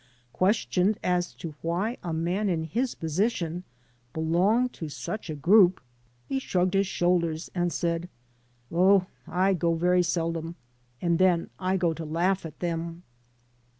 Ques tioned as to why a man in his position belonged to such a group, he shrugged his shoulders and said : "Oh, I go very seldom, and then I go to laugh at them."